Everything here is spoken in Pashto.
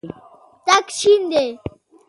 تک شین دی.